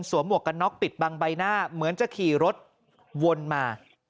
หมวกกันน็อกปิดบังใบหน้าเหมือนจะขี่รถวนมา